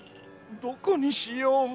どこにしよう。